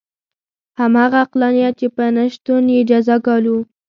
همغه عقلانیت چې په نه شتون یې جزا ګالو.